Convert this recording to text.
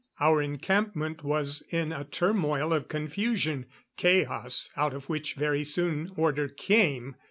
Our encampment was in a turmoil of confusion chaos, out of which very soon order came.